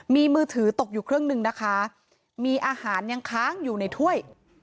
มีมือถือตกอยู่เครื่องหนึ่งนะคะมีอาหารยังค้างอยู่ในถ้วย